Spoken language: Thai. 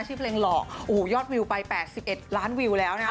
ชื่อเพลงหล่อโอ้โหยอดวิวไป๘๑ล้านวิวแล้วนะคะ